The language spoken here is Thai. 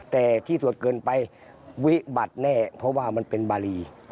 แต่ที่สวดเกินไปวิบัติแน่เพราะว่ามันเป็นบารี